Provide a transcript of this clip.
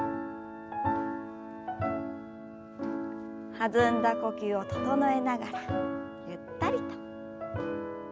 弾んだ呼吸を整えながらゆったりと。